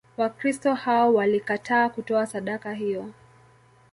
Wakristo hao walikataa kutoa sadaka hiyo.